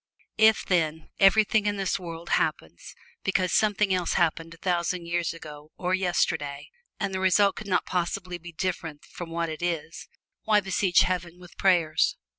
If then, everything in this world happens because something else happened a thousand years ago or yesterday, and the result could not possibly be different from what it is, why besiege Heaven with prayers?